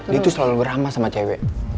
dia tuh selalu berhama sama cewek